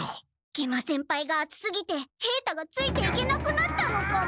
食満先輩があつすぎて平太がついていけなくなったのかも。